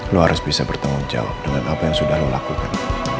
lo harus bisa bertanggung jawab dengan apa yang sudah lo lakukan